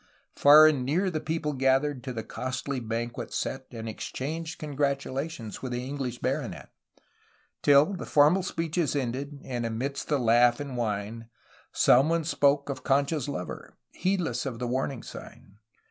Far and near the people gathered to the costly banquet set, And exchanged congratulations with the English baronet; Till, the formal speeches ended, and amidst the laugh and wine, Some one spoke of Concha's lover, — heedless of the warning sign.